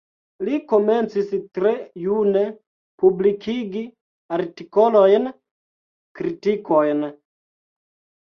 Li komencis tre june publikigi artikolojn, kritikojn.